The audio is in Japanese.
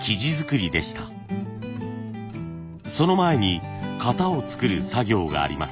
その前に型を作る作業があります。